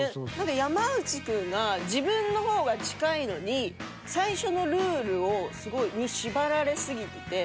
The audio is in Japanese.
山内くんが自分の方が近いのに最初のルールにすごい縛られ過ぎてて。